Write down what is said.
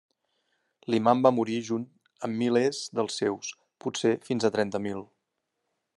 L'imam va morir junt amb milers dels seus, potser fins a trenta mil.